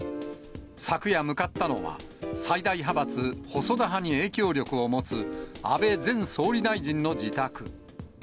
昨夜向かったのは、最大派閥細田派に影響力を持つ、安倍前総理大臣の自宅。